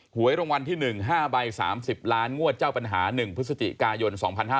หวยรางวัลที่๑๕ใบ๓๐ล้านงวดเจ้าปัญหา๑พฤศจิกายน๒๕๕๙